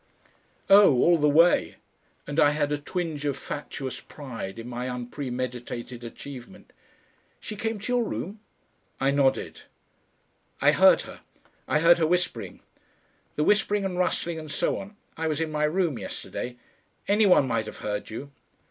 "Oh! all the way!" and I had a twinge of fatuous pride in my unpremeditated achievement. "She came to your room?" I nodded. "I heard her. I heard her whispering.... The whispering and rustling and so on. I was in my room yesterday.... Any one might have heard you."